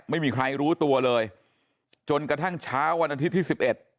ไม่มีใครรู้ตัวเลยจนกระทั่งเช้าวันอาทิตย์ที่สิบเอ็ด